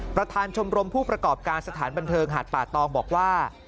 ประธานชมรมผู้ประกอบการสถานบันเทิงหาดป่าตองบอกว่า